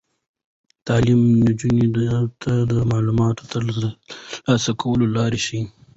تعلیم نجونو ته د معلوماتو د ترلاسه کولو لار ښيي.